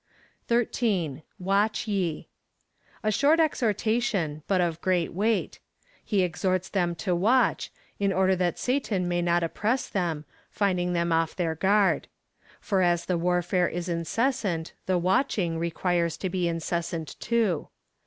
theum.^ 13. Watch ye. A sliort exhortation, but of great weight. He exhorts them to watch, in order that Satan may not oj) press them, finding them off their guard. For as the warfare is incessant, the watching requires to be incessant too.